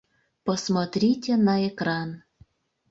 Посмотрите на экран.